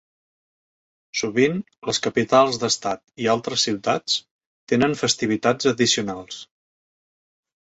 Sovint, les capitals d'estat i altres ciutats tenen festivitats addicionals.